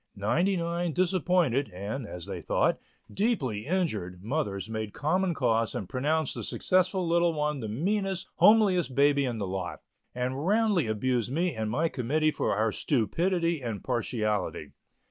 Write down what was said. Ninety nine disappointed, and as they thought, deeply injured, mothers made common cause and pronounced the successful little one the meanest, homeliest baby in the lot, and roundly abused me and my committee for our stupidity and partiality.